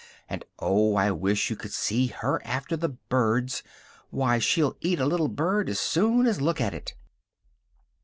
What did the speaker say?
And oh! I wish you could see her after the birds! Why, she'll eat a little bird as soon as look at it!"